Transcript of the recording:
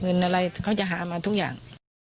เงินอะไรเขาจะหามาทุกอย่าง